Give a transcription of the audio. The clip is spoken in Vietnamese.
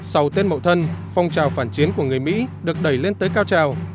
sau tết mậu thân phong trào phản chiến của người mỹ được đẩy lên tới cao trào